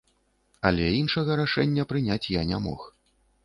Але іншага рашэння прыняць я не мог.